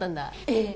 ええ！